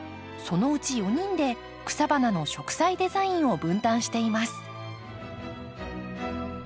そのうち４人で草花の植栽デザインを分担しています。